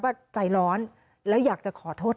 ใจร้อนแล้วอยากจะขอโทษ